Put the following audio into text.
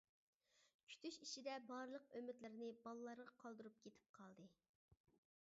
كۈتۈش ئىچىدە بارلىق ئۈمىدلىرىنى بالىلارغا قالدۇرۇپ كېتىپ قالدى.